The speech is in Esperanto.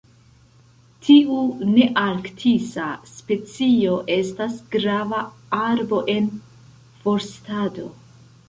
Tiu nearktisa specio estas grava arbo en forstado.